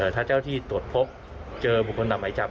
ถ้าเจ้าที่ตรวจพบเจอบุคคลตามหมายจับ